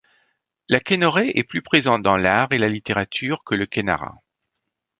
La kennorey est plus présente dans l'art et la littérature que le kennara.